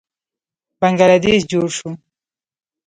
بنګله دیش جوړ شو.